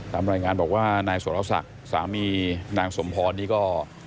ตามรายงานบอกว่านายสรศักดิ์สามีนางสมพรนี่ก็